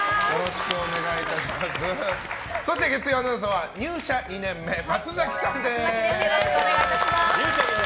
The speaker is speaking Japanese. そして月曜アナウンサーは入社２年目松崎です